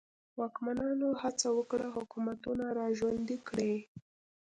واکمنانو هڅه وکړه حکومتونه را ژوندي کړي.